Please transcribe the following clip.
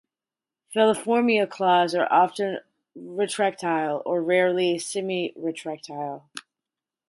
Feliformia claws are often retractile, or rarely, semiretractile.